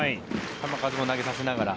球数も投げさせながら。